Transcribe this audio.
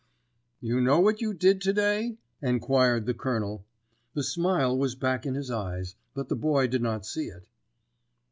"You know what you did to day?" enquired the Colonel. The smile was back in his eyes, but the Boy did not see it.